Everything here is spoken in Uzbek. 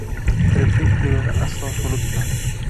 Tiriklik gulini aslo so‘litma.